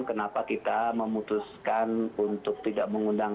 kenapa kita memutuskan untuk tidak mengundang